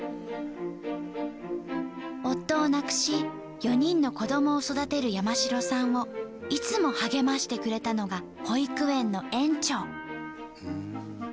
夫を亡くし４人の子どもを育てる山城さんをいつも励ましてくれたのが保育園の園長。